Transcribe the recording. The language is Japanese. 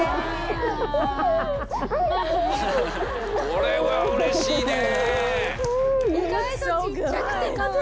これはうれしいね！